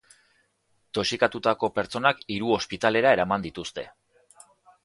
Toxikatutako pertsonak hiru ospitalera eraman dituzte.